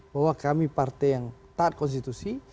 bahwa kami partai yang taat konstitusi